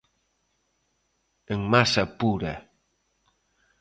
En masa pura.